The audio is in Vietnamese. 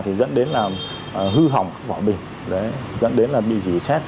thì dẫn đến là hư hỏng các vỏ bình dẫn đến là bị dì xét